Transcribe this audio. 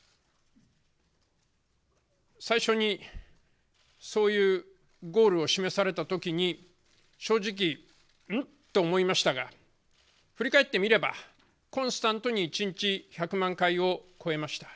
最初にそういうゴールを示されたときに正直、ん？と思いましたが振り返ってみれば、コンスタントに一日１００万回を超えました。